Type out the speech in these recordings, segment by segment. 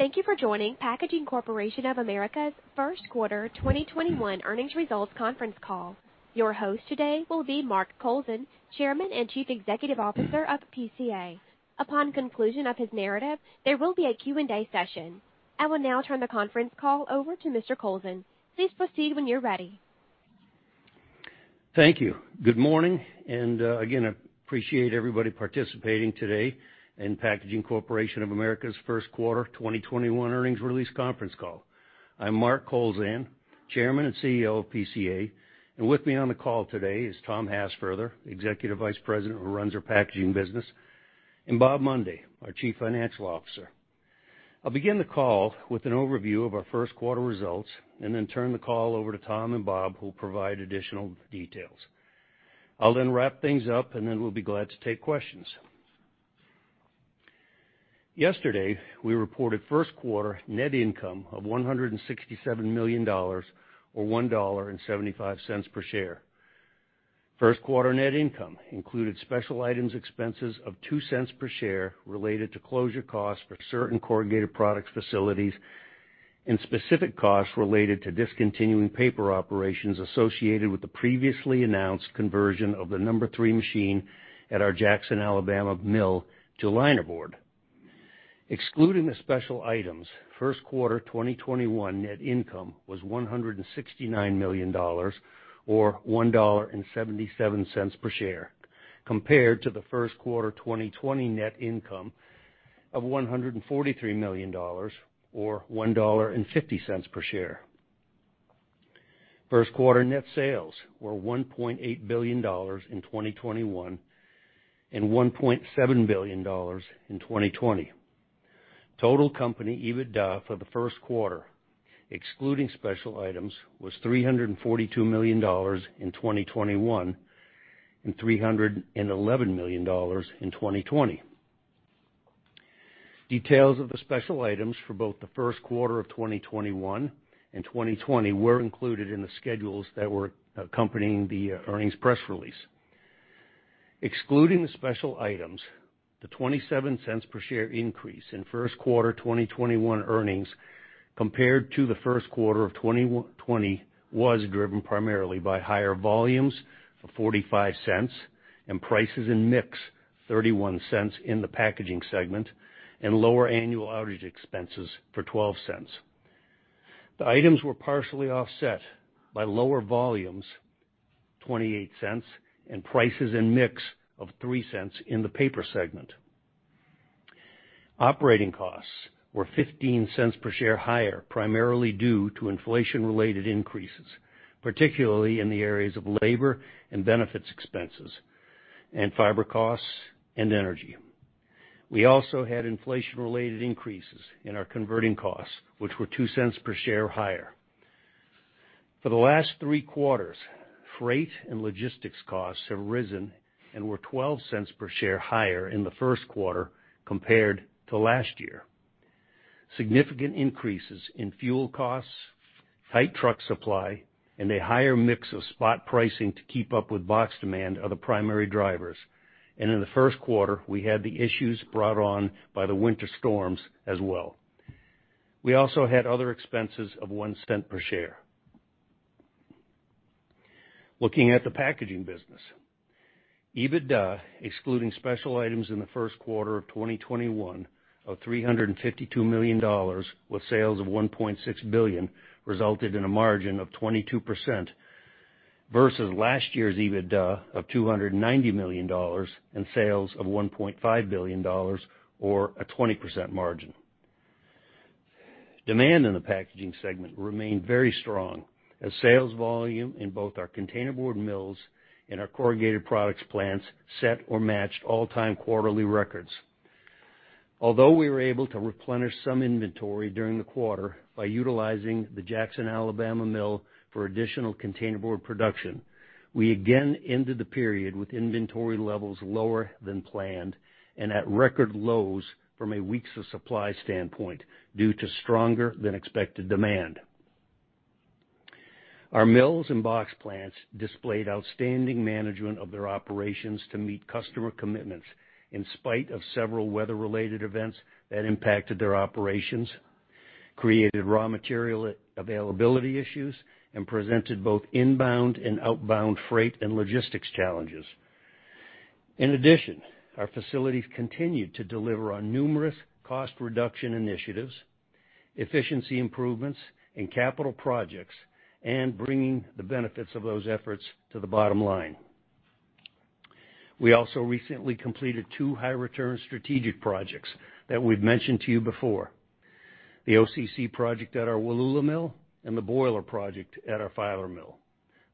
Thank you for joining Packaging Corporation of America's first quarter 2021 earnings results conference call. Your host today will be Mark Kowlzan, Chairman and Chief Executive Officer of PCA. Upon conclusion of his narrative, there will be a Q&A session. I will now turn the conference call over to Mr. Kowlzan. Please proceed when you're ready. Thank you. Good morning. Again, I appreciate everybody participating today in Packaging Corporation of America's first quarter 2021 earnings release conference call. I'm Mark Kowlzan, Chairman and CEO of PCA, and with me on the call today is Tom Hassfurther, Executive Vice President who runs our packaging business, and Bob Mundy, our Chief Financial Officer. I'll begin the call with an overview of our first quarter results, and then turn the call over to Tom and Bob, who will provide additional details. I'll then wrap things up, and then we'll be glad to take questions. Yesterday, we reported first quarter net income of $167 million, or $1.75 per share. First quarter net income included special items expenses of $0.02 per share related to closure costs for certain corrugated products facilities and specific costs related to discontinuing paper operations associated with the previously announced conversion of the number 3 machine at our Jackson, Alabama mill to linerboard. Excluding the special items, first quarter 2021 net income was $169 million, or $1.77 per share, compared to the first quarter 2020 net income of $143 million, or $1.50 per share. First quarter net sales were $1.8 billion in 2021 and $1.7 billion in 2020. Total company EBITDA for the first quarter, excluding special items, was $342 million in 2021 and $311 million in 2020. Details of the special items for both the first quarter of 2021 and 2020 were included in the schedules that were accompanying the earnings press release. Excluding the special items, the $0.27 per share increase in first quarter 2021 earnings compared to the first quarter of 2020 was driven primarily by higher volumes of $0.45 and prices in mix $0.31 in the packaging segment, and lower annual outage expenses for $0.12. The items were partially offset by lower volumes, $0.28, and prices in mix of $0.03 in the paper segment. Operating costs were $0.15 per share higher, primarily due to inflation-related increases, particularly in the areas of labor and benefits expenses, and fiber costs and energy. We also had inflation-related increases in our converting costs, which were $0.02 per share higher. For the last three quarters, freight and logistics costs have risen and were $0.12 per share higher in the first quarter compared to last year. Significant increases in fuel costs, tight truck supply, and a higher mix of spot pricing to keep up with box demand are the primary drivers. In the first quarter, we had the issues brought on by the winter storms as well. We also had other expenses of $0.01 per share. Looking at the packaging business. EBITDA, excluding special items in the first quarter of 2021 of $352 million with sales of $1.6 billion, resulted in a margin of 22% versus last year's EBITDA of $290 million and sales of $1.5 billion, or a 20% margin. Demand in the packaging segment remained very strong as sales volume in both our containerboard mills and our corrugated products plants set or matched all-time quarterly records. Although we were able to replenish some inventory during the quarter by utilizing the Jackson, Alabama mill for additional containerboard production, we again ended the period with inventory levels lower than planned and at record lows from a weeks of supply standpoint due to stronger than expected demand. Our mills and box plants displayed outstanding management of their operations to meet customer commitments in spite of several weather-related events that impacted their operations, created raw material availability issues, and presented both inbound and outbound freight and logistics challenges. In addition, our facilities continued to deliver on numerous cost reduction initiatives, efficiency improvements, and capital projects, and bringing the benefits of those efforts to the bottom line. We also recently completed two high-return strategic projects that we've mentioned to you before, the OCC project at our Wallula mill and the boiler project at our Filer mill.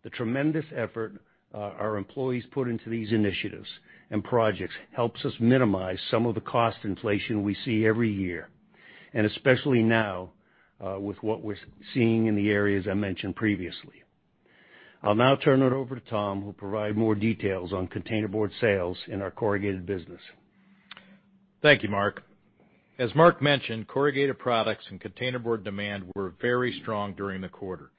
The tremendous effort our employees put into these initiatives and projects helps us minimize some of the cost inflation we see every year. Especially now, with what we're seeing in the areas I mentioned previously. I'll now turn it over to Tom, who will provide more details on containerboard sales in our corrugated business. Thank you, Mark. As Mark mentioned, corrugated products and containerboard demand were very strong during the quarter.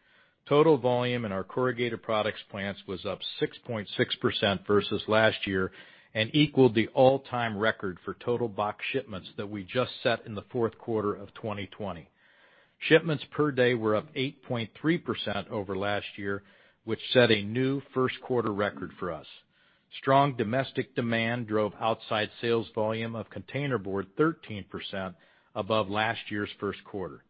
Total volume in our corrugated products plants was up 6.6% versus last year and equaled the all-time record for total box shipments that we just set in the fourth quarter of 2020. Shipments per day were up 8.3% over last year, which set a new first quarter record for us. Strong domestic demand drove outside sales volume of containerboard 13% above last year's first quarter.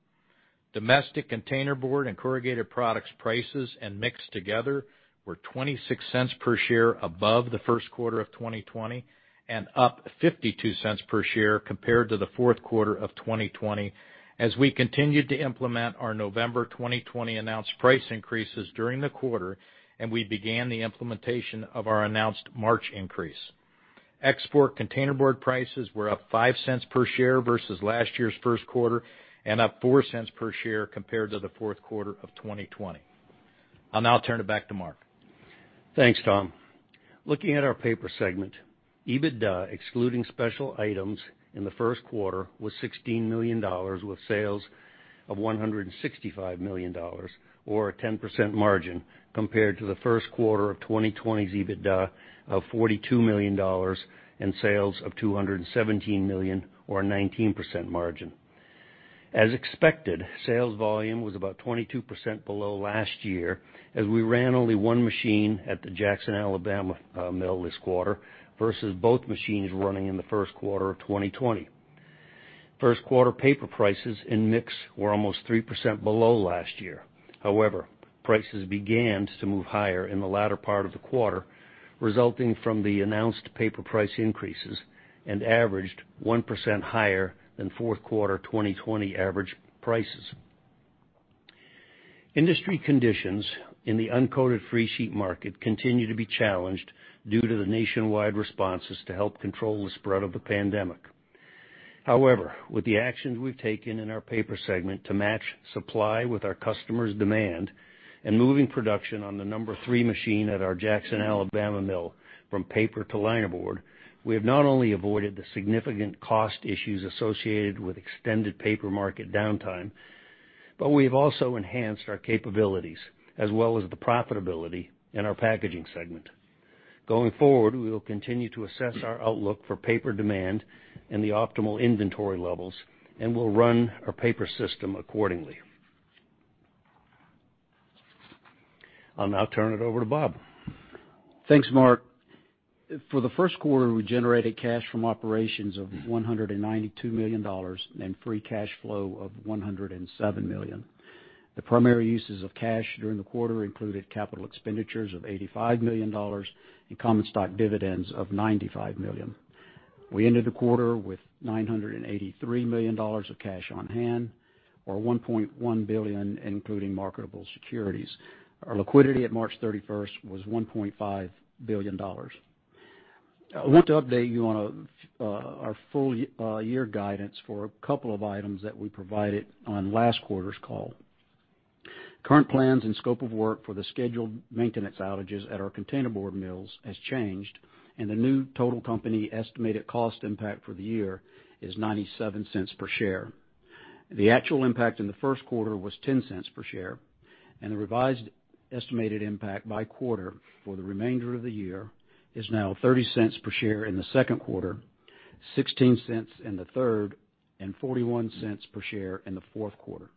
Domestic containerboard and corrugated products prices, and mixed together were $0.26 per share above the first quarter of 2020, and up $0.52 per share compared to the fourth quarter of 2020, as we continued to implement our November 2020 announced price increases during the quarter, and we began the implementation of our announced March increase. Export containerboard prices were up $0.5 per share versus last year's first quarter and up $0.04 per share compared to the fourth quarter of 2020. I'll now turn it back to Mark. Thanks, Tom. Looking at our paper segment, EBITDA, excluding special items in the first quarter, was $16 million with sales of $165 million, or a 10% margin, compared to the first quarter of 2020's EBITDA of $42 million and sales of $217 million, or a 19% margin. As expected, sales volume was about 22% below last year as we ran only one machine at the Jackson, Alabama mill this quarter versus both machines running in the first quarter of 2020. First quarter paper prices and mix were almost 3% below last year. However, prices began to move higher in the latter part of the quarter, resulting from the announced paper price increases, and averaged 1% higher than fourth quarter 2020 average prices. Industry conditions in the uncoated freesheet market continue to be challenged due to the nationwide responses to help control the spread of the pandemic. However, with the actions we've taken in our paper segment to match supply with our customers' demand and moving production on the number 3 machine at our Jackson, Alabama mill from paper to linerboard, we have not only avoided the significant cost issues associated with extended paper market downtime, but we've also enhanced our capabilities as well as the profitability in our packaging segment. Going forward, we will continue to assess our outlook for paper demand and the optimal inventory levels, and we'll run our paper system accordingly. I'll now turn it over to Bob. Thanks, Mark. For the first quarter, we generated cash from operations of $192 million and free cash flow of $107 million. The primary uses of cash during the quarter included capital expenditures of $85 million and common stock dividends of $95 million. We ended the quarter with $983 million of cash on hand, or $1.1 billion, including marketable securities. Our liquidity at March 31st was $1.5 billion. I want to update you on our full year guidance for a couple of items that we provided on last quarter's call. Current plans and scope of work for the scheduled maintenance outages at our containerboard mills has changed, and the new total company estimated cost impact for the year is $0.97 per share. The actual impact in the first quarter was $0.10 per share, and the revised estimated impact by quarter for the remainder of the year is now $0.30 per share in the second quarter, $0.16 in the third, and $0.41 per share in the fourth quarter.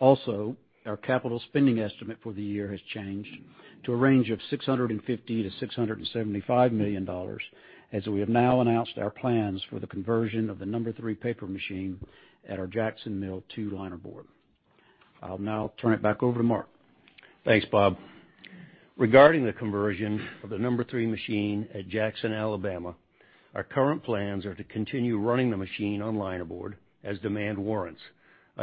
Also, our capital spending estimate for the year has changed to a range of $650 million-$675 million, as we have now announced our plans for the conversion of the number three paper machine at our Jackson mill to linerboard. I'll now turn it back over to Mark. Thanks, Robert Mundy. Regarding the conversion of the number 3 machine at Jackson, Alabama, our current plans are to continue running the machine on linerboard as demand warrants,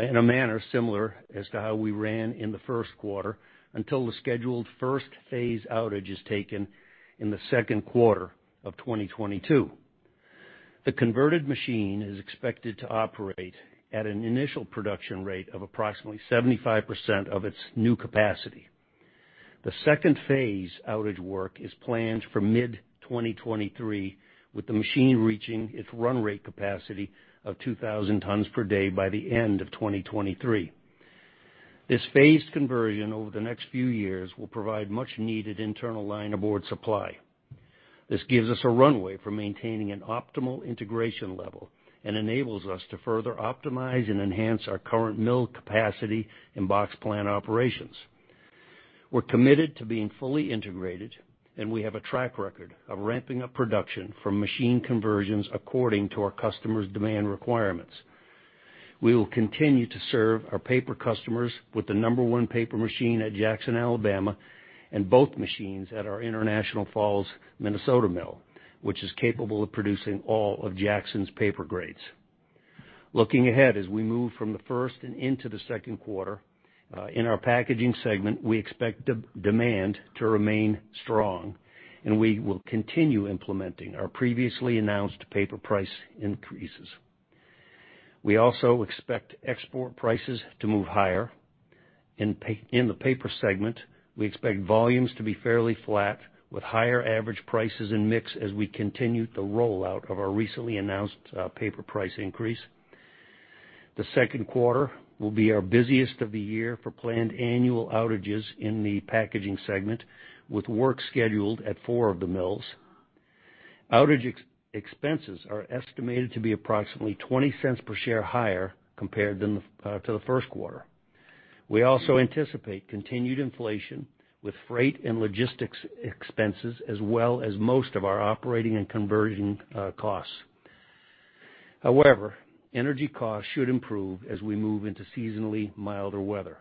in a manner similar as to how we ran in the first quarter, until the scheduled first phase outage is taken in the second quarter of 2022. The converted machine is expected to operate at an initial production rate of approximately 75% of its new capacity. The second phase outage work is planned for mid-2023, with the machine reaching its run rate capacity of 2,000 tons per day by the end of 2023. This phased conversion over the next few years will provide much needed internal linerboard supply. This gives us a runway for maintaining an optimal integration level and enables us to further optimize and enhance our current mill capacity and box plant operations. We're committed to being fully integrated, and we have a track record of ramping up production from machine conversions according to our customers' demand requirements. We will continue to serve our paper customers with the number 1 paper machine at Jackson, Alabama, and both machines at our International Falls, Minnesota mill, which is capable of producing all of Jackson's paper grades. Looking ahead as we move from the first and into the second quarter, in our packaging segment, we expect demand to remain strong, and we will continue implementing our previously announced paper price increases. We also expect export prices to move higher. In the paper segment, we expect volumes to be fairly flat with higher average prices and mix as we continue the rollout of our recently announced paper price increase. The second quarter will be our busiest of the year for planned annual outages in the packaging segment, with work scheduled at four of the mills. Outage expenses are estimated to be approximately $0.20 per share higher compared to the first quarter. We also anticipate continued inflation with freight and logistics expenses, as well as most of our operating and conversion costs. However, energy costs should improve as we move into seasonally milder weather.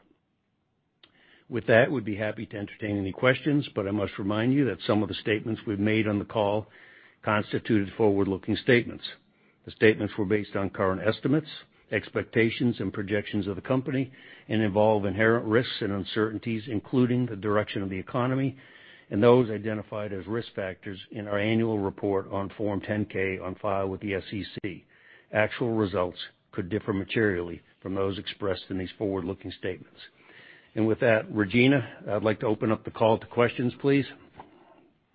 With that, we'd be happy to entertain any questions, but I must remind you that some of the statements we've made on the call constitute forward-looking statements. The statements were based on current estimates, expectations, and projections of the company and involve inherent risks and uncertainties, including the direction of the economy and those identified as risk factors in our annual report on Form 10-K on file with the SEC. Actual results could differ materially from those expressed in these forward-looking statements. With that, Regina, I'd like to open up the call to questions, please.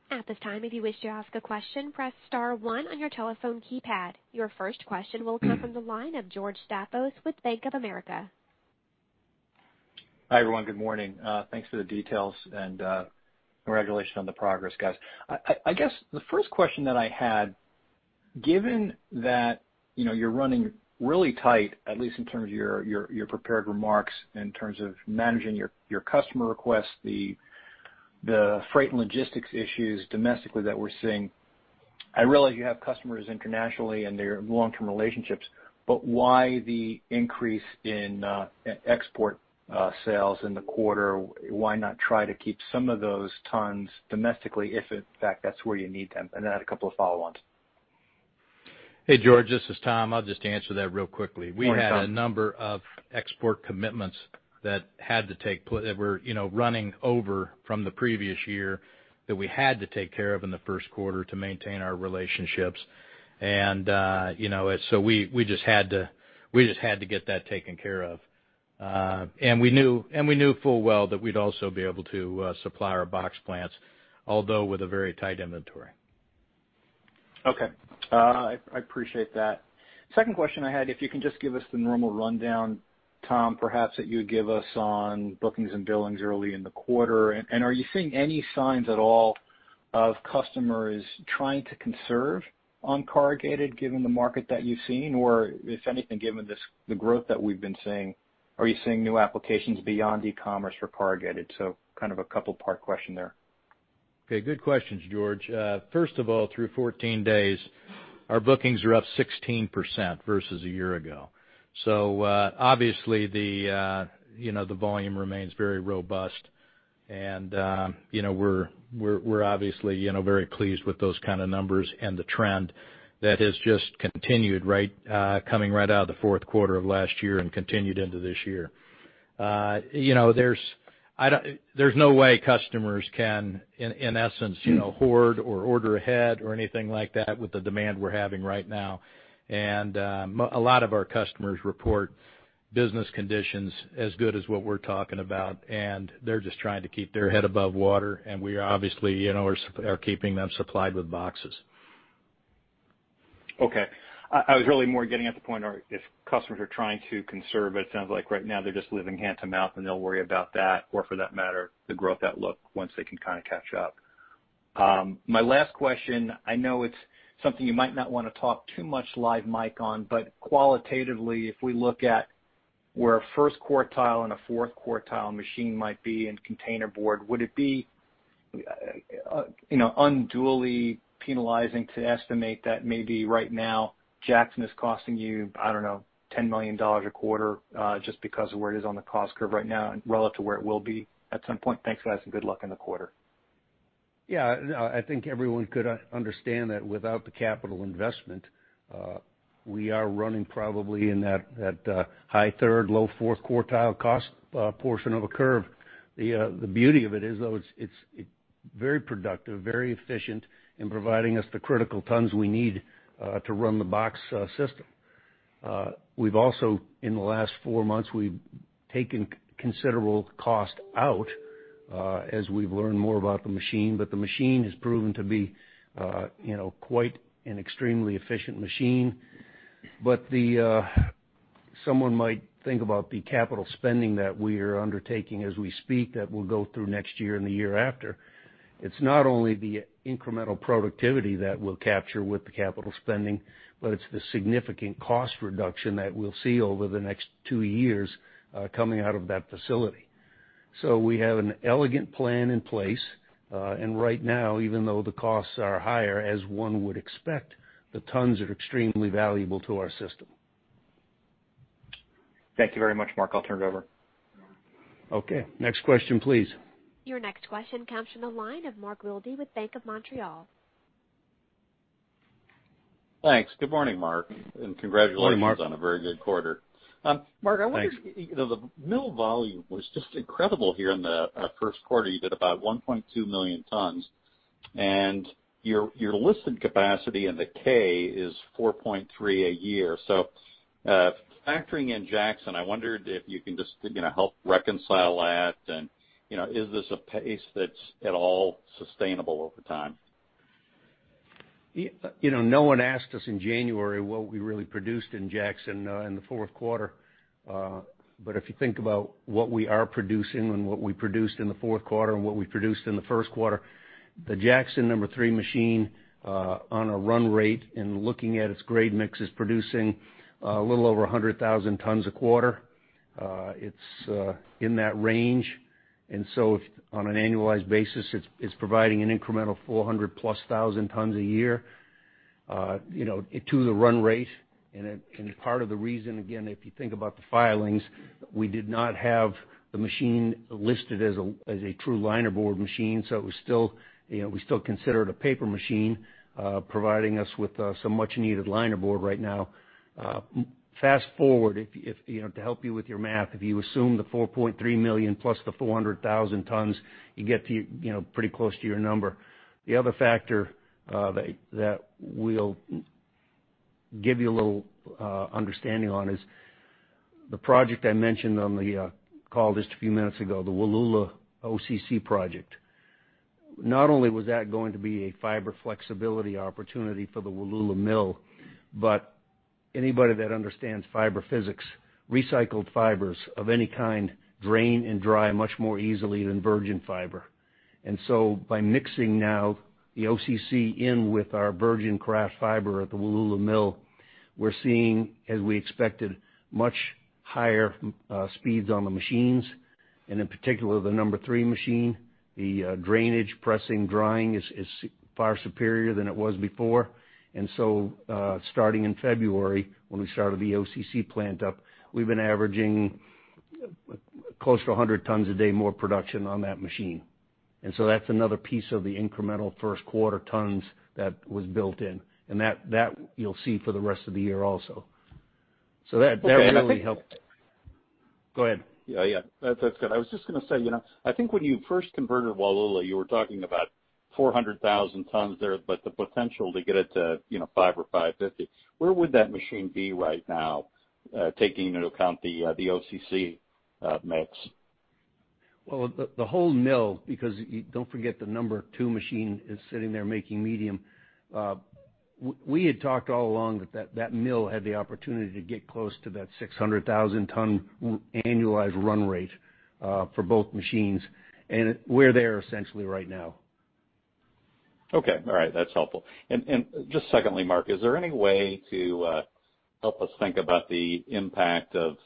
At this time, if you wish to ask a question, press star one on your telephone keypad. Your first question will come from the line of George Staphos with Bank of America. Hi, everyone. Good morning. Thanks for the details, and congratulations on the progress, guys. I guess the first question that I had, given that you're running really tight, at least in terms of your prepared remarks, in terms of managing your customer requests, the freight and logistics issues domestically that we're seeing. I realize you have customers internationally, and they're long-term relationships, but why the increase in export sales in the quarter? Why not try to keep some of those tons domestically if, in fact, that's where you need them? I have a couple of follow-ons. Hey, George. This is Tom. I'll just answer that real quickly. Morning, Tom. We had a number of export commitments that were running over from the previous year that we had to take care of in the first quarter to maintain our relationships. We just had to get that taken care of. We knew full well that we'd also be able to supply our box plants, although with a very tight inventory. Okay. I appreciate that. Second question I had, if you can just give us the normal rundown, Tom, perhaps that you would give us on bookings and billings early in the quarter. Are you seeing any signs at all of customers trying to conserve on corrugated given the market that you've seen? If anything, given the growth that we've been seeing, are you seeing new applications beyond e-commerce for corrugated? Kind of a couple-part question there. Okay. Good questions, George. First of all, through 14 days, our bookings are up 16% versus a year ago. Obviously, the volume remains very robust. We're obviously very pleased with those kind of numbers and the trend that has just continued coming right out of the fourth quarter of last year and continued into this year. There's no way customers can, in essence, hoard or order ahead or anything like that with the demand we're having right now. A lot of our customers report business conditions as good as what we're talking about, and they're just trying to keep their head above water, and we obviously are keeping them supplied with boxes. Okay. I was really more getting at the point if customers are trying to conserve. It sounds like right now they're just living hand to mouth, and they'll worry about that or for that matter, the growth outlook once they can kind of catch up. My last question, I know it's something you might not want to talk too much live mic on, but qualitatively, if we look at where a first quartile and a fourth quartile machine might be in containerboard, would it be unduly penalizing to estimate that maybe right now Jackson is costing you, I don't know, $10 million a quarter, just because of where it is on the cost curve right now and relative to where it will be at some point? Thanks, guys, and good luck in the quarter. Yeah. I think everyone could understand that without the capital investment, we are running probably in that high third, low fourth quartile cost portion of a curve. The beauty of it is, though, it's very productive, very efficient in providing us the critical tons we need to run the box system. We've also, in the last four months, we've taken considerable cost out as we've learned more about the machine. The machine has proven to be quite an extremely efficient machine. Someone might think about the capital spending that we are undertaking as we speak that will go through next year and the year after. It's not only the incremental productivity that we'll capture with the capital spending, but it's the significant cost reduction that we'll see over the next two years coming out of that facility. We have an elegant plan in place. Right now, even though the costs are higher, as one would expect, the tons are extremely valuable to our system. Thank you very much, Mark. I'll turn it over. Okay. Next question, please. Your next question comes from the line of Mark Wilde with Bank of Montreal. Thanks. Good morning, Mark, and congratulations- Morning, Mark. on a very good quarter. Thanks. Mark, I wonder, the mill volume was just incredible here in the first quarter. You did about 1.2 million tons, and your listed capacity in the K is 4.3 a year. Factoring in Jackson, I wondered if you can just help reconcile that, and is this a pace that's at all sustainable over time? No one asked us in January what we really produced in Jackson in the fourth quarter. If you think about what we are producing and what we produced in the fourth quarter and what we produced in the first quarter, the Jackson number 3 machine on a run rate and looking at its grade mix is producing a little over 100,000 tons a quarter. It's in that range. On an annualized basis, it's providing an incremental 400 plus thousand tons a year to the run rate. Part of the reason, again, if you think about the filings, we did not have the machine listed as a true linerboard machine, so we still consider it a paper machine, providing us with some much-needed linerboard right now. Fast-forward, to help you with your math, if you assume the 4.3 million plus the 400,000 tons, you get pretty close to your number. The other factor that we'll give you a little understanding on is the project I mentioned on the call just a few minutes ago, the Wallula OCC project. Not only was that going to be a fiber flexibility opportunity for the Wallula Mill, but anybody that understands fiber physics, recycled fibers of any kind drain and dry much more easily than virgin fiber. By mixing now the OCC in with our virgin kraft fiber at the Wallula Mill, we're seeing, as we expected, much higher speeds on the machines, and in particular, the number 3 machine. The drainage pressing drying is far superior than it was before. Starting in February, when we started the OCC plant up, we've been averaging close to 100 tons a day more production on that machine. That's another piece of the incremental first quarter tons that was built in, and that you'll see for the rest of the year also. That really helped. Go ahead. Yeah. That's good. I was just going to say, I think when you first converted Wallula, you were talking about 400,000 tons there, but the potential to get it to five or 550. Where would that machine be right now, taking into account the OCC mix? Well, the whole mill, because don't forget, the number 2 machine is sitting there making medium. We had talked all along that that mill had the opportunity to get close to that 600,000 ton annualized run rate for both machines, and we're there essentially right now. Okay. All right. That's helpful. Just secondly, Mark, is there any way to help us think about the impact of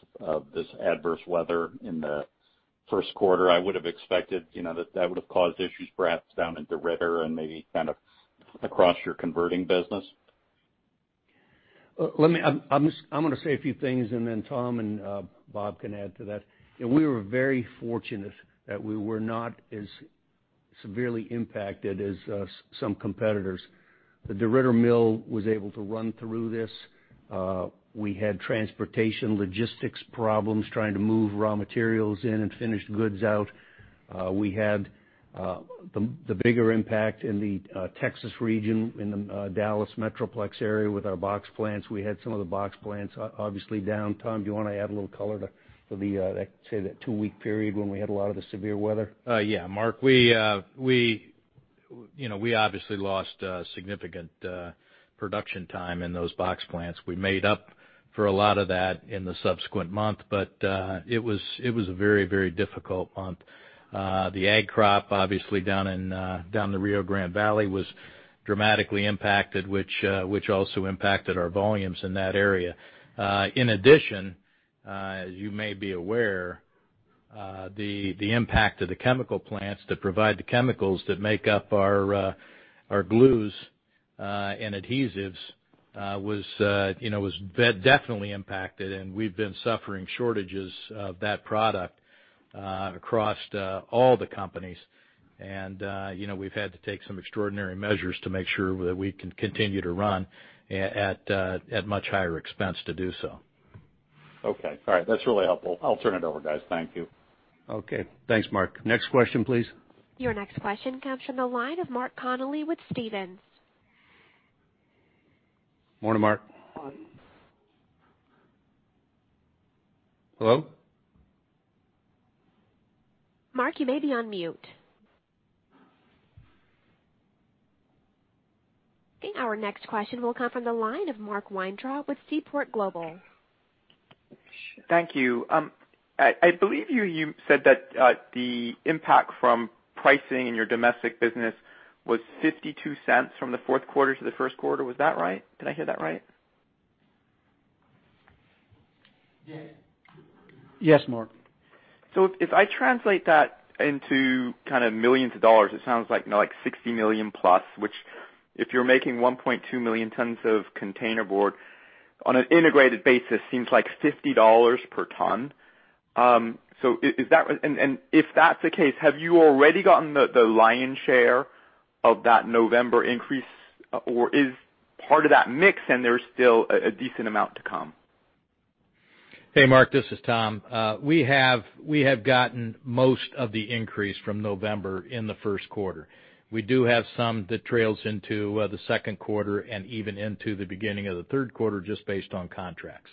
this adverse weather in the first quarter? I would have expected that that would have caused issues perhaps down in DeRidder and maybe kind of across your converting business. I'm going to say a few things, and then Tom and Bob can add to that. We were very fortunate that we were not as severely impacted as some competitors. The DeRidder mill was able to run through this. We had transportation logistics problems trying to move raw materials in and finished goods out. We had the bigger impact in the Texas region, in the Dallas metroplex area with our box plants. We had some of the box plants obviously down. Tom, do you want to add a little color to the, say, that two-week period when we had a lot of the severe weather? Yeah, Mark, we obviously lost a significant production time in those box plants. We made up for a lot of that in the subsequent month, but it was a very difficult month. The ag crop, obviously down the Rio Grande Valley, was dramatically impacted, which also impacted our volumes in that area. In addition, as you may be aware, the impact of the chemical plants that provide the chemicals that make up our glues and adhesives was definitely impacted, and we've been suffering shortages of that product across all the companies. We've had to take some extraordinary measures to make sure that we can continue to run at much higher expense to do so. Okay. All right. That's really helpful. I'll turn it over, guys. Thank you. Okay. Thanks, Mark. Next question, please. Your next question comes from the line of Mark Connelly with Stephens. Morning, Mark. Hello? Mark, you may be on mute. Okay, our next question will come from the line of Mark Weintraub with Seaport Global. Thank you. I believe you said that the impact from pricing in your domestic business was $0.52 from the fourth quarter to the first quarter. Was that right? Did I hear that right? Yes. Yes, Mark. If I translate that into kind of $60 million plus, which if you're making 1.2 million tons of containerboard on an integrated basis, seems like $50 per ton. If that's the case, have you already gotten the lion's share of that November increase, or is part of that mix and there's still a decent amount to come? Hey, Mark, this is Tom. We have gotten most of the increase from November in the first quarter. We do have some that trails into the second quarter and even into the beginning of the third quarter, just based on contracts.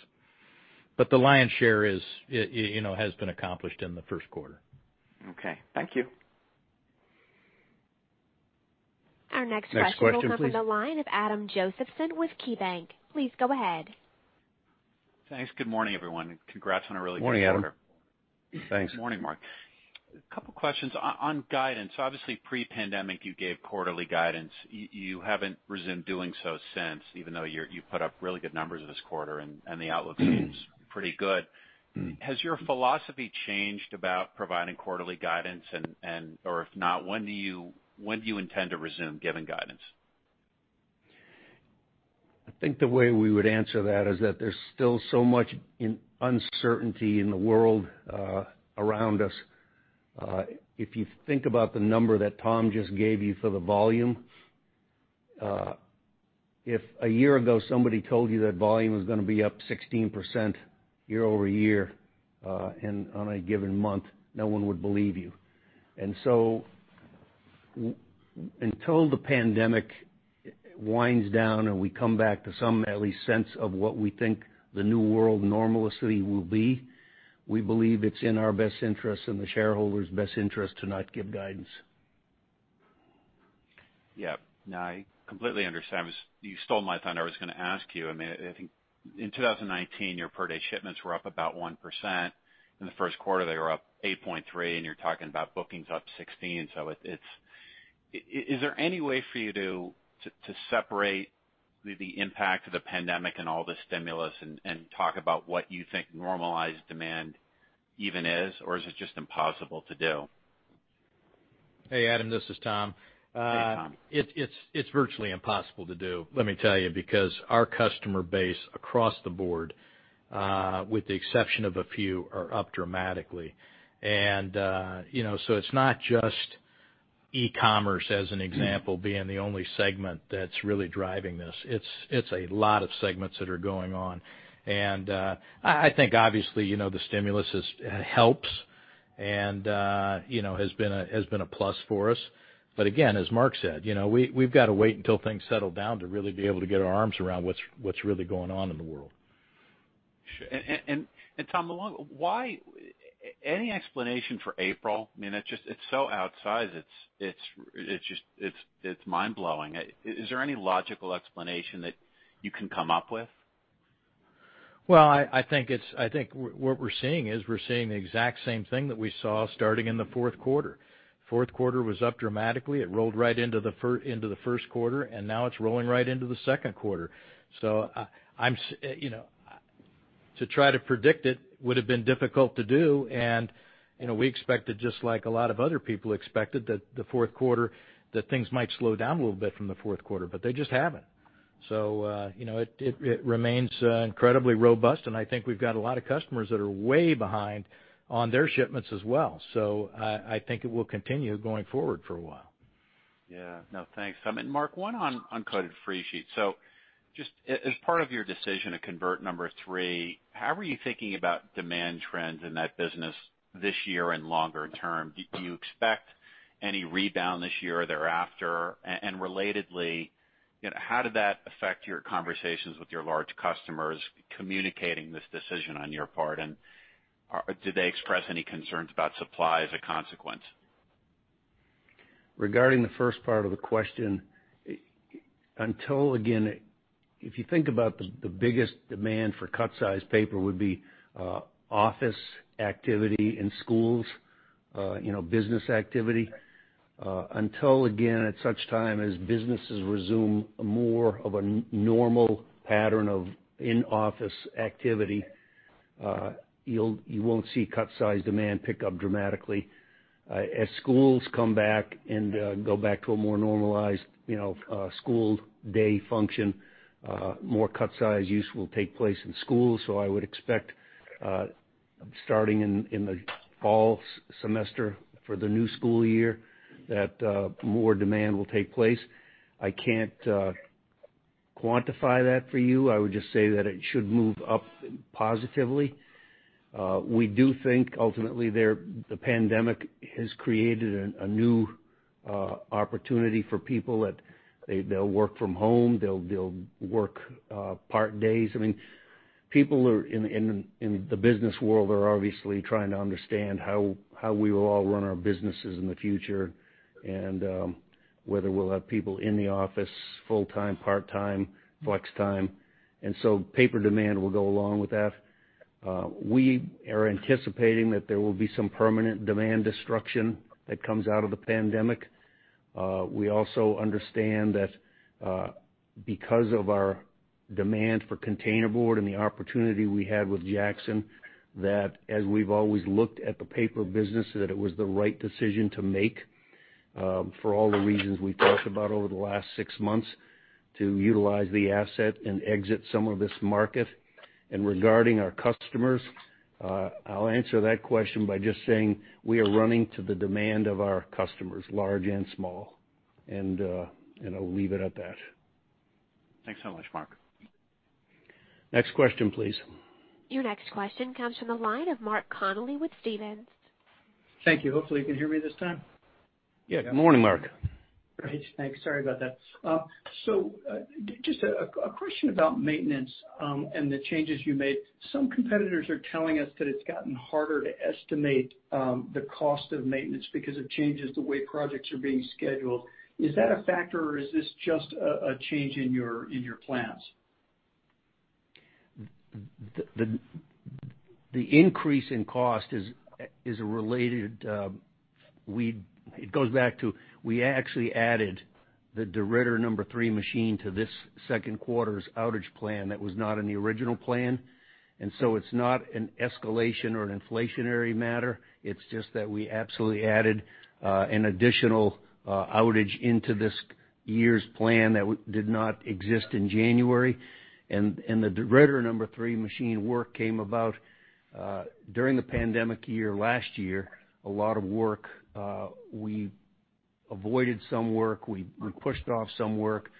The lion's share has been accomplished in the first quarter. Okay. Thank you. Our next question- Next question, please will come from the line of Adam Josephson with KeyBank. Please go ahead. Thanks. Good morning, everyone. Congrats on a really great quarter. Morning, Adam. Thanks. Morning, Mark. A couple questions. On guidance, obviously pre-pandemic, you gave quarterly guidance. You haven't resumed doing so since, even though you put up really good numbers this quarter, and the outlook seems pretty good. Has your philosophy changed about providing quarterly guidance? If not, when do you intend to resume giving guidance? I think the way we would answer that is that there's still so much uncertainty in the world around us. If you think about the number that Tom just gave you for the volume, if a year ago somebody told you that volume was going to be up 16% year-over-year on a given month, no one would believe you. Until the pandemic winds down, and we come back to some at least sense of what we think the new world normalcy will be, we believe it's in our best interest, and the shareholders' best interest to not give guidance. No, I completely understand. You stole my thunder. I was going to ask you. I think in 2019, your per-day shipments were up about 1%. In the first quarter, they were up 8.3%, and you're talking about bookings up 16%. Is there any way for you to separate the impact of the pandemic and all the stimulus, and talk about what you think normalized demand even is, or is it just impossible to do? Hey, Adam, this is Tom. Hey, Tom. It's virtually impossible to do, let me tell you, because our customer base across the board, with the exception of a few, are up dramatically. So it's not just e-commerce, as an example, being the only segment that's really driving this. It's a lot of segments that are going on. I think obviously the stimulus helps, and has been a plus for us. Again, as Mark said, we've got to wait until things settle down to really be able to get our arms around what's really going on in the world. Sure. Tom, any explanation for April? It's so outsized. It's mind-blowing. Is there any logical explanation that you can come up with? Well, I think what we're seeing is we're seeing the exact same thing that we saw starting in the fourth quarter. Fourth quarter was up dramatically. It rolled right into the first quarter, and now it's rolling right into the second quarter. To try to predict it would've been difficult to do, and we expected, just like a lot of other people expected, that things might slow down a little bit from the fourth quarter, but they just haven't. It remains incredibly robust, and I think we've got a lot of customers that are way behind on their shipments as well. I think it will continue going forward for a while. No, thanks, Thomas. Mark, one on uncoated free sheet. Just as part of your decision to convert number three, how are you thinking about demand trends in that business this year and longer term? Do you expect any rebound this year or thereafter? Relatedly, how did that affect your conversations with your large customers communicating this decision on your part? Did they express any concerns about supply as a consequence? Regarding the first part of the question, if you think about the biggest demand for cut-size paper would be office activity in schools, business activity. Until again, at such time as businesses resume more of a normal pattern of in-office activity, you won't see cut-size demand pick up dramatically. As schools come back and go back to a more normalized school day function, more cut-size use will take place in schools. I would expect starting in the fall semester for the new school year that more demand will take place. I can't quantify that for you. I would just say that it should move up positively. We do think ultimately the pandemic has created a new opportunity for people that they'll work from home, they'll work part days. People in the business world are obviously trying to understand how we will all run our businesses in the future, and whether we'll have people in the office, full-time, part-time, flex time. Paper demand will go along with that. We are anticipating that there will be some permanent demand destruction that comes out of the pandemic. We also understand that because of our demand for containerboard and the opportunity we had with Jackson, that as we've always looked at the paper business, that it was the right decision to make for all the reasons we've talked about over the last six months to utilize the asset and exit some of this market. Regarding our customers, I'll answer that question by just saying we are running to the demand of our customers, large and small. I'll leave it at that. Thanks so much, Mark. Next question, please. Your next question comes from the line of Mark Connelly with Stephens. Thank you. Hopefully you can hear me this time. Yeah. Good morning, Mark. Great. Thanks. Sorry about that. Just a question about maintenance and the changes you made. Some competitors are telling us that it's gotten harder to estimate the cost of maintenance because it changes the way projects are being scheduled. Is that a factor, or is this just a change in your plans? The increase in cost is related. It goes back to, we actually added the DeRidder number 3 machine to this second quarter's outage plan that was not in the original plan. It's not an escalation or an inflationary matter. It's just that we absolutely added an additional outage into this year's plan that did not exist in January. The DeRidder number 3 machine work came about during the pandemic year, last year, a lot of work. We avoided some work. We pushed off some work.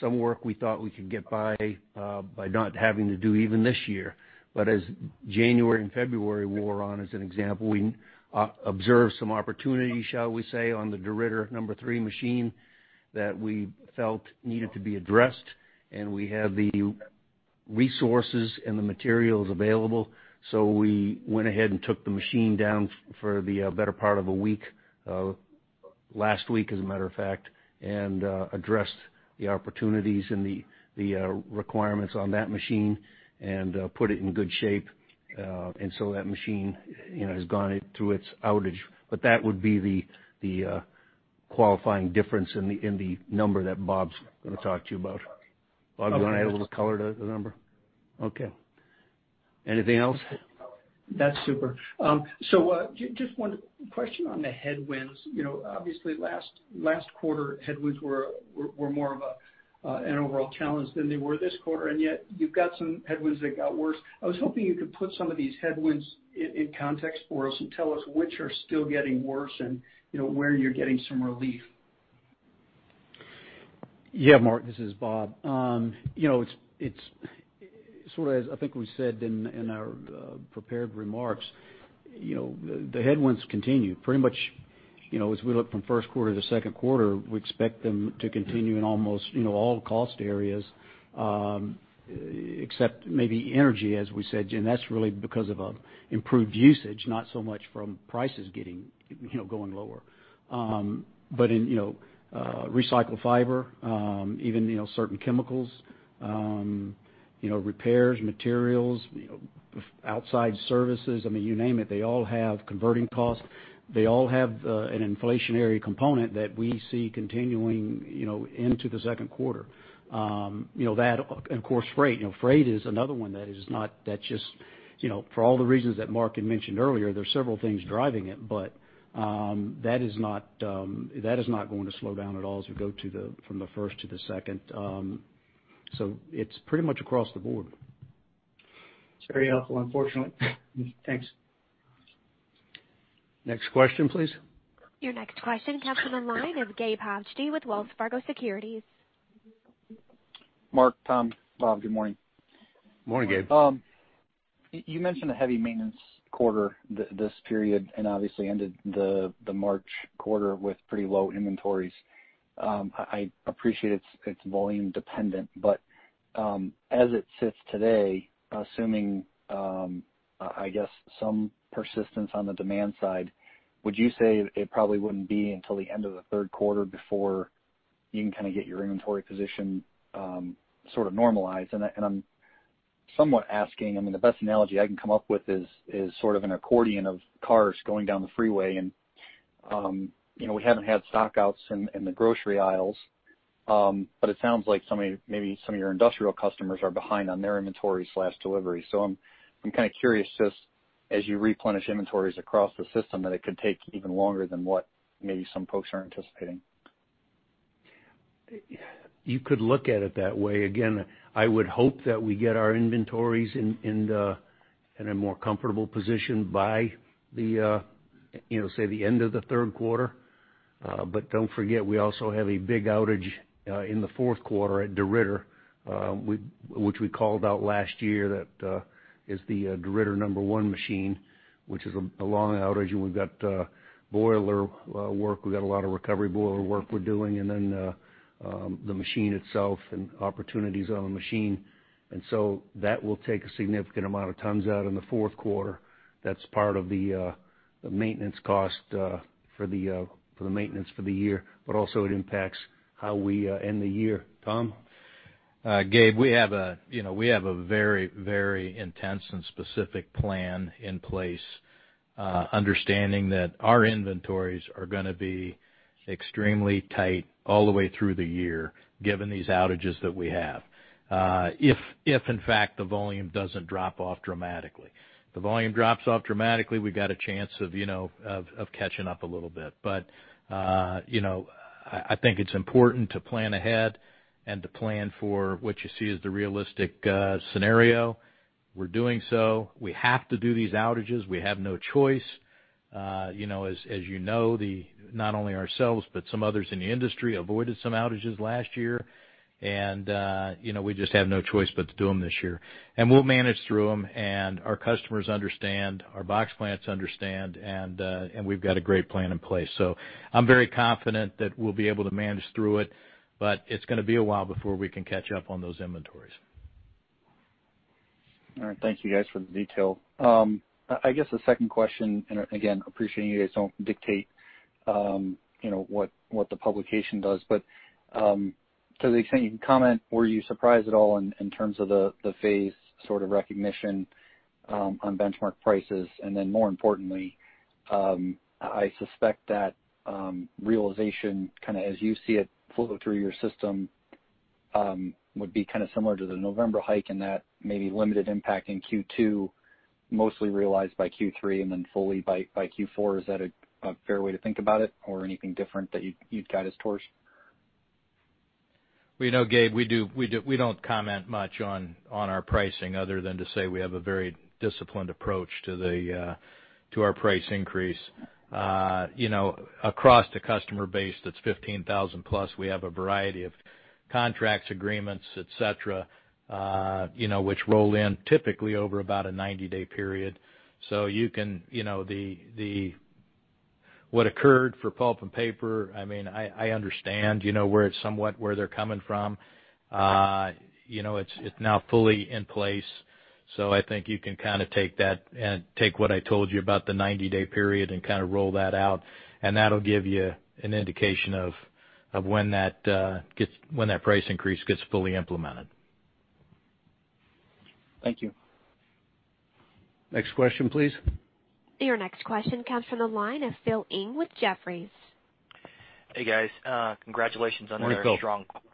Some work we thought we could get by not having to do even this year. But as January and February wore on, as an example, we observed some opportunities, shall we say, on the DeRidder number 3 machine that we felt needed to be addressed, and we had the resources and the materials available. We went ahead and took the machine down for the better part of a week, last week, as a matter of fact, and addressed the opportunities and the requirements on that machine and put it in good shape. That machine has gone through its outage. That would be the qualifying difference in the number that Bob's going to talk to you about. Bob, do you want to add a little color to the number? Okay. Anything else? That's super. Just one question on the headwinds. Obviously, last quarter, headwinds were more of an overall challenge than they were this quarter, yet you've got some headwinds that got worse. I was hoping you could put some of these headwinds in context for us and tell us which are still getting worse and where you're getting some relief. Mark, this is Bob. It's sort of as, I think we said in our prepared remarks, the headwinds continue. Pretty much as we look from first quarter to second quarter, we expect them to continue in almost all cost areas, except maybe energy, as we said, and that's really because of improved usage, not so much from prices going lower. In recycled fiber, even certain chemicals, repairs, materials, outside services, I mean, you name it, they all have converting costs. They all have an inflationary component that we see continuing into the second quarter. Of course, freight. Freight is another one that, for all the reasons that Mark had mentioned earlier, there's several things driving it. That is not going to slow down at all as we go from the first to the second. It's pretty much across the board. It's very helpful, unfortunately. Thanks. Next question, please. Your next question comes from the line of Gabe Hajde with Wells Fargo Securities. Mark, Tom, Bob, good morning. Morning, Gabe. You mentioned a heavy maintenance quarter this period and obviously ended the March quarter with pretty low inventories. I appreciate it's volume dependent, but as it sits today, assuming, I guess, some persistence on the demand side, would you say it probably wouldn't be until the end of the third quarter before you can kind of get your inventory position sort of normalized? I'm somewhat asking, I mean, the best analogy I can come up with is sort of an accordion of cars going down the freeway, and we haven't had stock-outs in the grocery aisles, but it sounds like maybe some of your industrial customers are behind on their inventories/deliveries. I'm kind of curious just as you replenish inventories across the system, that it could take even longer than what maybe some folks are anticipating. You could look at it that way. Again, I would hope that we get our inventories in a more comfortable position by the end of the third quarter. Don't forget, we also have a big outage in the fourth quarter at DeRidder, which we called out last year. That is the DeRidder number 1 machine, which is a long outage, and we've got boiler work. We got a lot of recovery boiler work we're doing, and then the machine itself and opportunities on the machine. That will take a significant amount of tons out in the fourth quarter. That's part of the maintenance cost for the maintenance for the year, but also it impacts how we end the year. Tom? Gabe, we have a very intense and specific plan in place, understanding that our inventories are going to be extremely tight all the way through the year, given these outages that we have. If, in fact, the volume doesn't drop off dramatically. The volume drops off dramatically, we've got a chance of catching up a little bit. I think it's important to plan ahead and to plan for what you see as the realistic scenario. We're doing so. We have to do these outages. We have no choice. As you know, not only ourselves, but some others in the industry avoided some outages last year, and we just have no choice but to do them this year. We'll manage through them, and our customers understand, our box plants understand, and we've got a great plan in place. I'm very confident that we'll be able to manage through it, but it's going to be a while before we can catch up on those inventories. All right. Thank you guys for the detail. I guess the second question, again, appreciating you guys don't dictate what the publication does, but to the extent you can comment, were you surprised at all in terms of the phase sort of recognition on benchmark prices? Then more importantly, I suspect that realization kind of as you see it flow through your system would be kind of similar to the November hike in that maybe limited impact in Q2, mostly realized by Q3, and then fully by Q4. Is that a fair way to think about it, or anything different that you'd guide us towards? Well Gabe, we don't comment much on our pricing other than to say we have a very disciplined approach to our price increase. Across the customer base, that's 15,000 plus, we have a variety of contracts, agreements, et cetera, which roll in typically over about a 90-day period. What occurred for pulp and paper, I understand where they're coming from. It's now fully in place. I think you can take what I told you about the 90-day period and kind of roll that out, and that'll give you an indication of when that price increase gets fully implemented. Thank you. Next question, please. Your next question comes from the line of Phil Ng with Jefferies. Hey, guys. Congratulations. Morning, Phil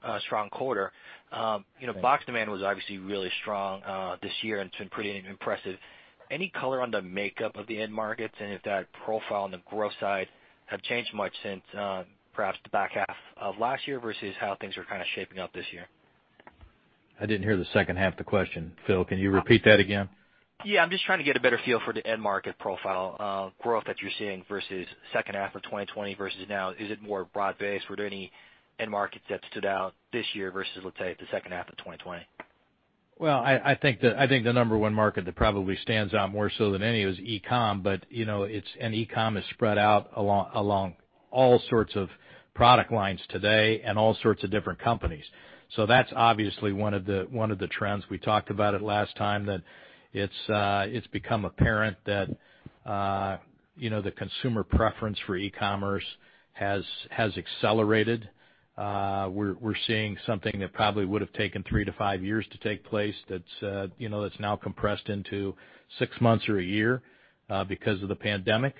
another strong quarter. Box demand was obviously really strong this year, and it's been pretty impressive. Any color on the makeup of the end markets and if that profile on the growth side have changed much since perhaps the back half of last year versus how things are kind of shaping up this year? I didn't hear the second half of the question. Phil, can you repeat that again? I'm just trying to get a better feel for the end market profile growth that you're seeing versus second half of 2020 versus now. Is it more broad-based? Were there any end markets that stood out this year versus, let's say, the second half of 2020? I think the number one market that probably stands out more so than any is e-com, and e-com is spread out along all sorts of product lines today and all sorts of different companies. That's obviously one of the trends. We talked about it last time, that it's become apparent that the consumer preference for e-commerce has accelerated. We're seeing something that probably would have taken 3-5 years to take place that's now compressed into six months or a year because of the pandemic.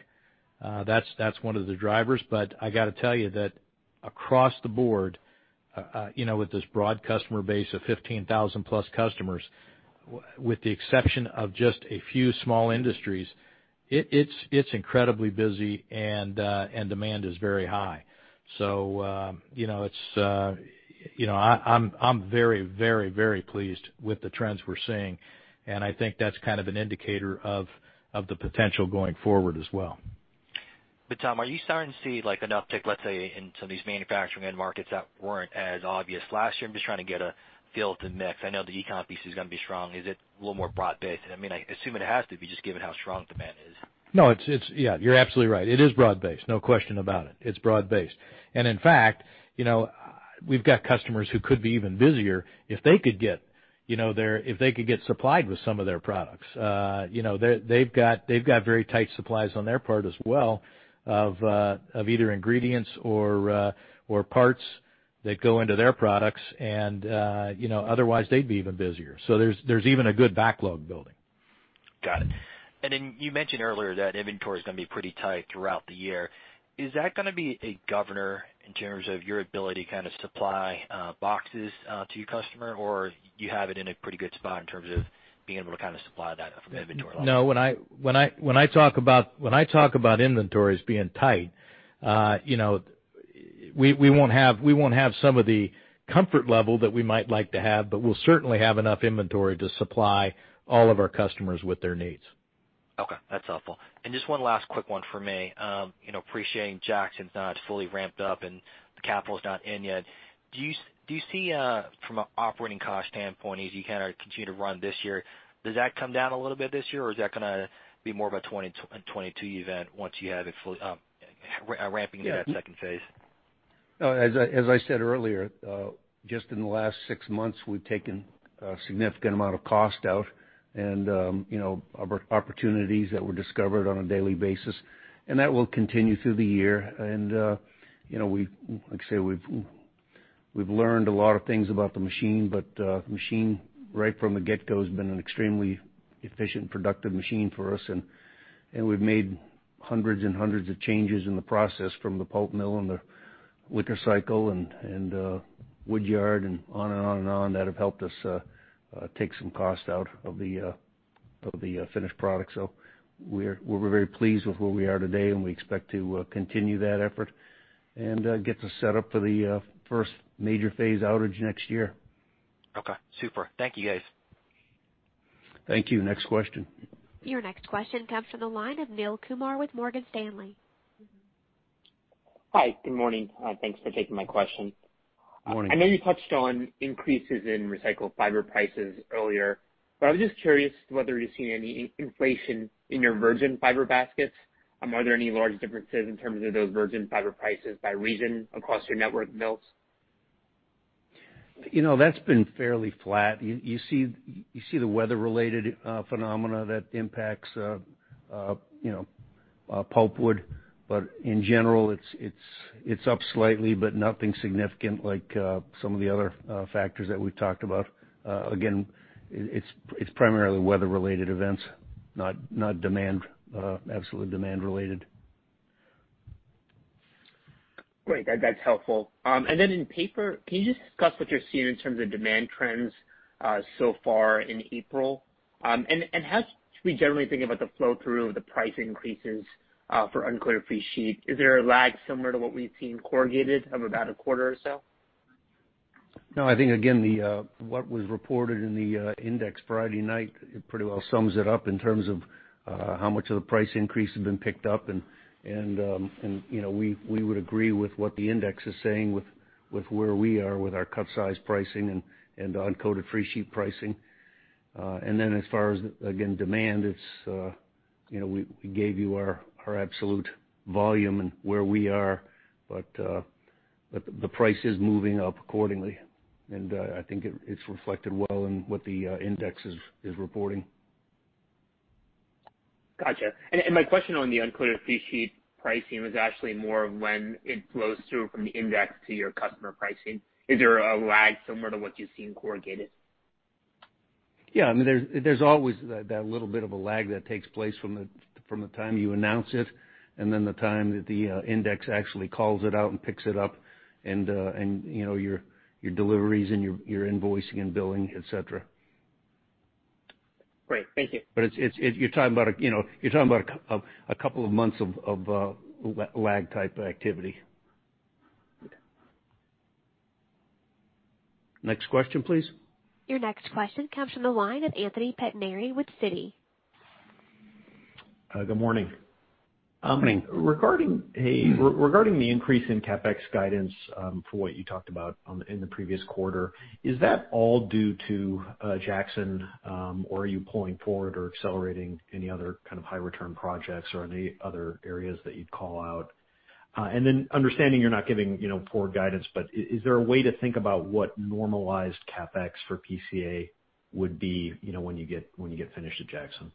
That's one of the drivers. I got to tell you that across the board, with this broad customer base of 15,000+ customers, with the exception of just a few small industries, it's incredibly busy and demand is very high. I'm very pleased with the trends we're seeing, and I think that's kind of an indicator of the potential going forward as well. Tom, are you starting to see an uptick, let's say, in some of these manufacturing end markets that weren't as obvious last year? I'm just trying to get a feel to mix. I know the e-com piece is going to be strong. Is it a little more broad-based? I assume it has to be just given how strong demand is. No, you're absolutely right. It is broad-based, no question about it. It's broad-based. In fact, we've got customers who could be even busier if they could get supplied with some of their products. They've got very tight supplies on their part as well of either ingredients or parts that go into their products, otherwise they'd be even busier. There's even a good backlog building. Got it. You mentioned earlier that inventory is going to be pretty tight throughout the year. Is that going to be a governor in terms of your ability to kind of supply boxes to your customer, or you have it in a pretty good spot in terms of being able to kind of supply that from an inventory level? No. When I talk about inventories being tight, we won't have some of the comfort level that we might like to have, but we'll certainly have enough inventory to supply all of our customers with their needs. Okay. That's helpful. Just one last quick one for me. Appreciating Jackson's not fully ramped up and the capital's not in yet. Do you see from an operating cost standpoint, as you kind of continue to run this year, does that come down a little bit this year, or is that going to be more of a 2022 event once you have it fully ramping into that phase II? As I said earlier, just in the last six months, we've taken a significant amount of cost out and opportunities that were discovered on a daily basis. That will continue through the year. Like I say, we've learned a lot of things about the machine. The machine, right from the get-go, has been an extremely efficient, productive machine for us. We've made hundreds and hundreds of changes in the process from the pulp mill and the liquor cycle and wood yard and on and on that have helped us take some cost out of the finished product. We're very pleased with where we are today, and we expect to continue that effort and get to set up for the first major phase outage next year. Okay, super. Thank you, guys. Thank you. Next question. Your next question comes from the line of Neel Kumar with Morgan Stanley. Hi. Good morning. Thanks for taking my question. Morning. I know you touched on increases in recycled fiber prices earlier, but I was just curious whether you're seeing any inflation in your virgin fiber baskets. Are there any large differences in terms of those virgin fiber prices by region across your network mills? That's been fairly flat. You see the weather-related phenomena that impacts pulpwood. In general, it's up slightly, but nothing significant like some of the other factors that we've talked about. Again, it's primarily weather-related events, not absolute demand related. Great. That's helpful. Then in paper, can you just discuss what you're seeing in terms of demand trends so far in April? How should we generally think about the flow-through of the price increases for uncoated freesheet? Is there a lag similar to what we've seen in corrugated of about a quarter or so? I think, again, what was reported in the index Friday night, it pretty well sums it up in terms of how much of the price increase has been picked up. We would agree with what the index is saying with where we are with our cut-size pricing and uncoated freesheet pricing. As far as, again, demand, we gave you our absolute volume and where we are. The price is moving up accordingly, and I think it's reflected well in what the index is reporting. Got you. My question on the uncoated freesheet pricing was actually more of when it flows through from the index to your customer pricing. Is there a lag similar to what you've seen in corrugated? Yeah. There's always that little bit of a lag that takes place from the time you announce it, and then the time that the index actually calls it out and picks it up, and your deliveries and your invoicing and billing, et cetera. Great. Thank you. You're talking about a couple of months of lag type activity. Okay. Next question, please. Your next question comes from the line of Anthony Pettinari with Citi. Good morning. Morning. Regarding the increase in CapEx guidance for what you talked about in the previous quarter, is that all due to Jackson, or are you pulling forward or accelerating any other kind of high-return projects or any other areas that you'd call out? Understanding you're not giving forward guidance, but is there a way to think about what normalized CapEx for PCA would be when you get finished at Jackson?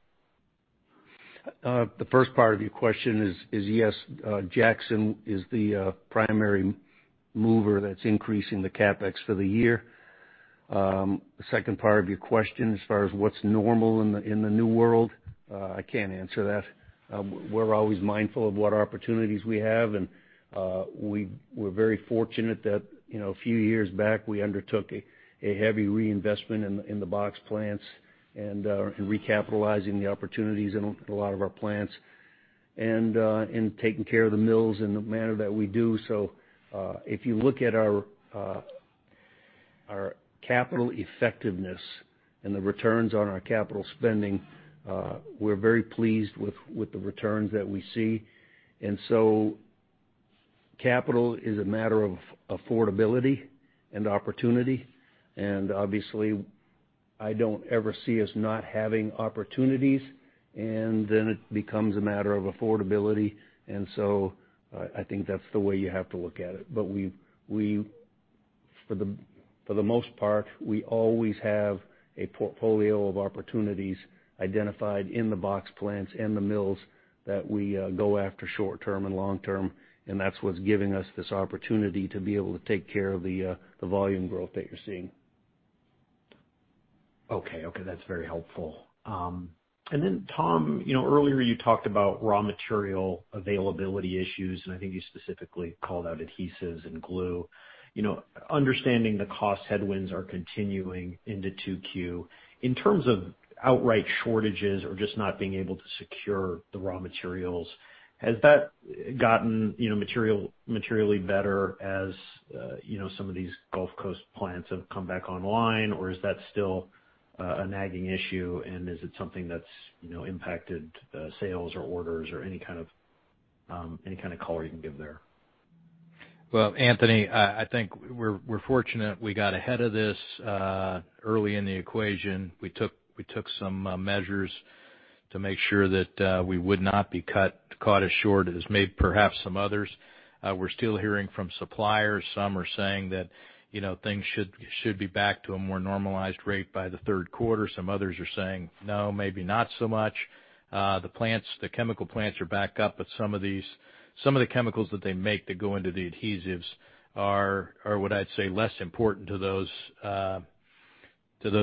The first part of your question is, yes. Jackson is the primary mover that's increasing the CapEx for the year. The second part of your question, as far as what's normal in the new world, I can't answer that. We're always mindful of what opportunities we have, and we're very fortunate that a few years back, we undertook a heavy reinvestment in the box plants and recapitalizing the opportunities in a lot of our plants and taking care of the mills in the manner that we do. If you look at our capital effectiveness and the returns on our capital spending, we're very pleased with the returns that we see. Capital is a matter of affordability and opportunity, and obviously, I don't ever see us not having opportunities, and then it becomes a matter of affordability. I think that's the way you have to look at it. For the most part, we always have a portfolio of opportunities identified in the box plants and the mills that we go after short-term and long-term, and that's what's giving us this opportunity to be able to take care of the volume growth that you're seeing. Okay. That's very helpful. Tom, earlier you talked about raw material availability issues, and I think you specifically called out adhesives and glue. Understanding the cost headwinds are continuing into Q2, in terms of outright shortages or just not being able to secure the raw materials, has that gotten materially better as some of these Gulf Coast plants have come back online, or is that still a nagging issue, and is it something that's impacted sales or orders or any kind of color you can give there? Well, Anthony, I think we're fortunate we got ahead of this early in the equation. We took some measures to make sure that we would not be caught as short as maybe perhaps some others. We're still hearing from suppliers. Some are saying that things should be back to a more normalized rate by the third quarter. Some others are saying, "No, maybe not so much." The chemical plants are back up, but some of the chemicals that they make that go into the adhesives are, what I'd say, less important to those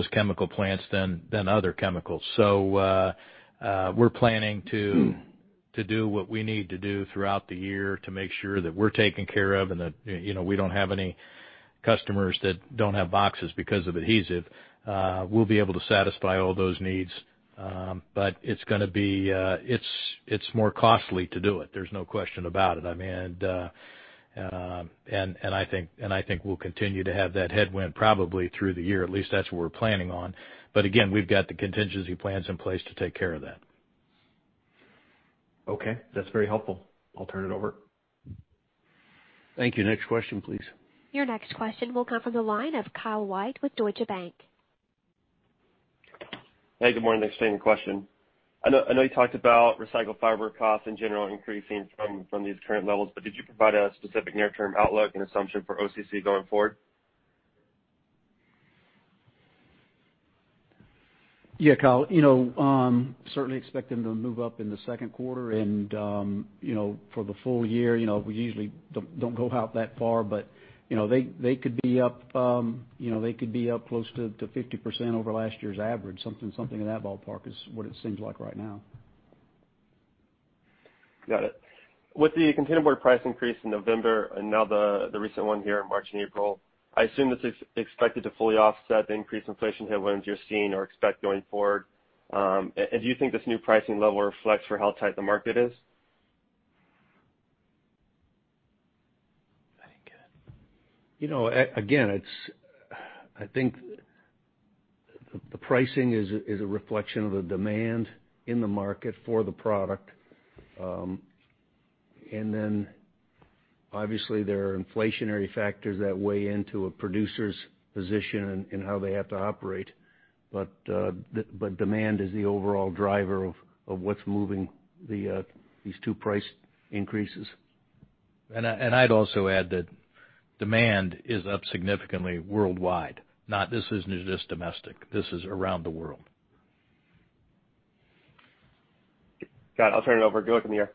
chemical plants than other chemicals. We're planning to do what we need to do throughout the year to make sure that we're taken care of and that we don't have any customers that don't have boxes because of adhesive. We'll be able to satisfy all those needs, but it's more costly to do it. There's no question about it. I think we'll continue to have that headwind probably through the year. At least that's what we're planning on. Again, we've got the contingency plans in place to take care of that. Okay. That's very helpful. I'll turn it over. Thank you. Next question, please. Your next question will come from the line of Kyle White with Deutsche Bank. Hey, good morning. Thanks for taking the question. I know you talked about recycled fiber costs in general increasing from these current levels, did you provide a specific near-term outlook and assumption for OCC going forward? Yeah, Kyle. Certainly expecting to move up in the second quarter and for the full year. We usually don't go out that far, but they could be up close to 50% over last year's average. Something in that ballpark is what it seems like right now. Got it. With the containerboard price increase in November and now the recent one here in March and April, I assume that it's expected to fully offset the increased inflation headwinds you're seeing or expect going forward. Do you think this new pricing level reflects for how tight the market is? Again, I think the pricing is a reflection of the demand in the market for the product. Obviously, there are inflationary factors that weigh into a producer's position in how they have to operate. Demand is the overall driver of what's moving these two price increases. I'd also add that demand is up significantly worldwide. This isn't just domestic. This is around the world. Got it. I'll turn it over. Good luck to you.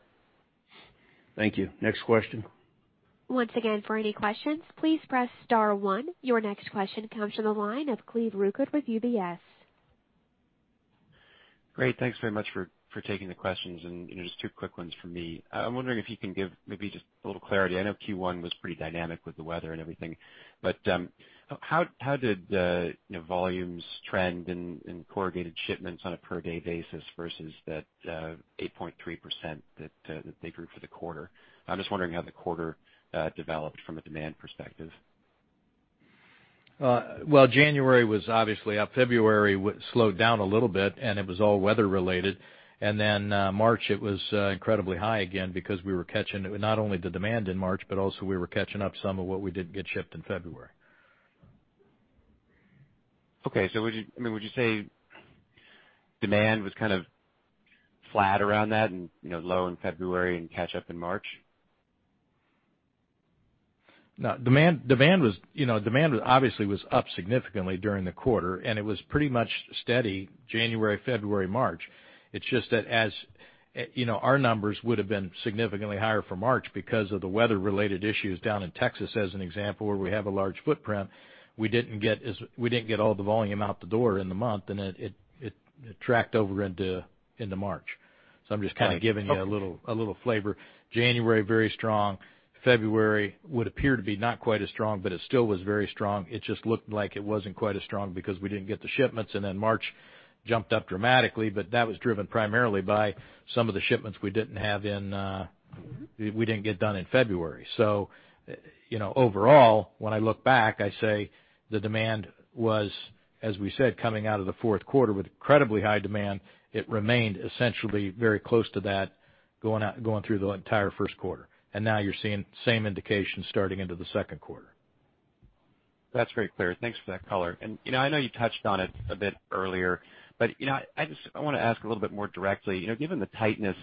Thank you. Next question. Once again, for any questions, please press star one. Your next question comes from the line of Cleveland Rueckert with UBS. Great. Thanks very much for taking the questions. Just two quick ones from me. I'm wondering if you can give maybe just a little clarity? I know Q1 was pretty dynamic with the weather and everything, but how did the volumes trend in corrugated shipments on a per-day basis versus that 8.3% that they grew for the quarter? I'm just wondering how the quarter developed from a demand perspective. Well, January was obviously up. February slowed down a little bit, and it was all weather-related. March, it was incredibly high again because we were catching not only the demand in March, but also we were catching up some of what we didn't get shipped in February. Would you say demand was kind of flat around that and low in February and catch up in March? No, demand obviously was up significantly during the quarter, and it was pretty much steady January, February, March. It's just that our numbers would have been significantly higher for March because of the weather-related issues down in Texas, as an example, where we have a large footprint. We didn't get all the volume out the door in the month, and it tracked over into March. I'm just kind of giving you a little flavor. January, very strong. February would appear to be not quite as strong, but it still was very strong. It just looked like it wasn't quite as strong because we didn't get the shipments. March jumped up dramatically, but that was driven primarily by some of the shipments we didn't get done in February. Overall, when I look back, I say the demand was, as we said, coming out of the fourth quarter with incredibly high demand. It remained essentially very close to that going through the entire first quarter. Now you're seeing the same indication starting into the second quarter. That's very clear. Thanks for that color. I know you touched on it a bit earlier, but I want to ask a little bit more directly. Given the tightness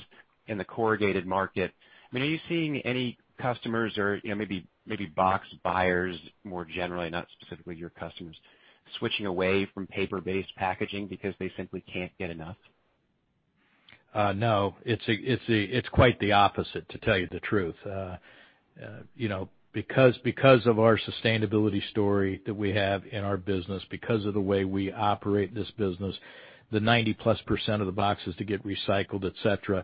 in the corrugated market, are you seeing any customers or maybe box buyers more generally, not specifically your customers, switching away from paper-based packaging because they simply can't get enough? No. It's quite the opposite, to tell you the truth. Because of our sustainability story that we have in our business, because of the way we operate this business, the 90%+ of the boxes that get recycled, et cetera,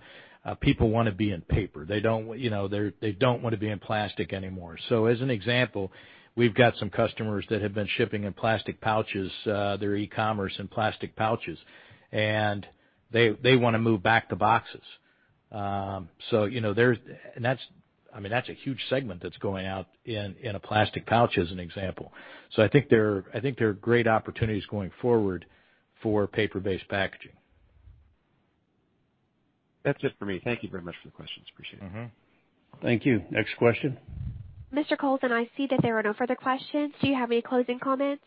people want to be in paper. They don't want to be in plastic anymore. As an example, we've got some customers that have been shipping in plastic pouches, their e-commerce in plastic pouches, and they want to move back to boxes. That's a huge segment that's going out in a plastic pouch, as an example. I think there are great opportunities going forward for paper-based packaging. That's it for me. Thank you very much for the questions. Appreciate it. Thank you. Next question. Mr. Kowlzan, I see that there are no further questions. Do you have any closing comments?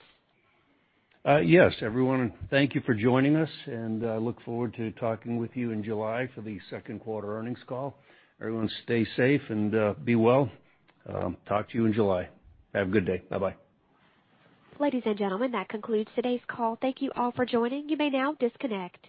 Yes. Everyone, thank you for joining us, and I look forward to talking with you in July for the second quarter earnings call. Everyone stay safe and be well. Talk to you in July. Have a good day. Bye-bye. Ladies and gentlemen, that concludes today's call. Thank you all for joining. You may now disconnect.